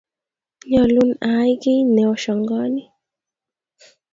nyalun a ai kit ne oshangaani